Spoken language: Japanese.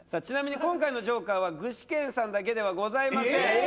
ちなみに今回のジョーカーは具志堅さんだけではございません